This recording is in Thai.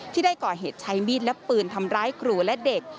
ที่ได้ก่อเหตุใช้มีดและปืนทำร้ายครูและเด็ก